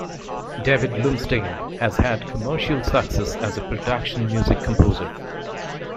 David Lumsdaine has had commercial success as a production music composer.